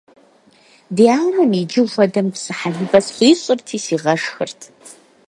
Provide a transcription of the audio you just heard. Ди анэм иджы хуэдэм псы хэлывэ схуищӀырти сигъэшхырт.